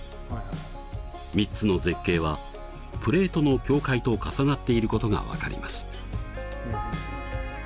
３つの絶景はプレートの境界と重なっていることが分かります。